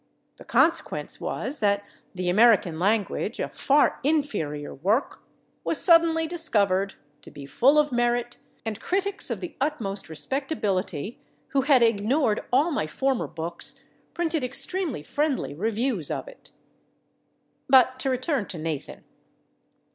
The consequence was that "The American Language," a far inferior work, was suddenly discovered to be full of merit, and critics of the utmost respectability, who had ignored all my former books, printed extremely friendly reviews of it.... But to return to Nathan.